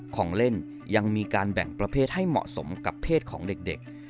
ของเล่นยังมีการแบ่งประเภทให้เหมาะสมกับเพศของเด็ก